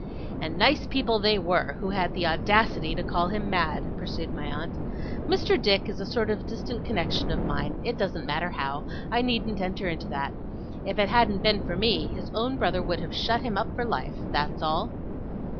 'And nice people they were, who had the audacity to call him mad,' pursued my aunt. 'Mr. Dick is a sort of distant connexion of mine it doesn't matter how; I needn't enter into that. If it hadn't been for me, his own brother would have shut him up for life. That's all.